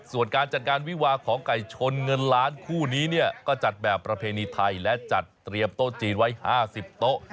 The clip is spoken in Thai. ส่วนการจัดการวิวาของไก่ชนเงินล้านคู่นี้เนี่ยก็จัดแบบประเพณีไทยและจัดเตรียมโต๊ะจีนไว้๕๐โต๊ะ